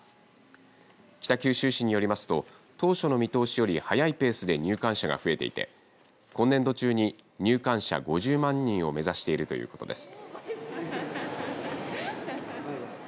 北九州市によりますと当初の見通しより早いペースで入館者が増えていて今年度中に入館者５０万人を目指しているということです。